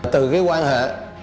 từ cái quan hệ